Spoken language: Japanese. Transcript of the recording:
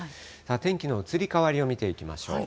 天気の移り変わりを見ていきましょう。